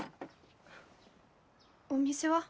お店は？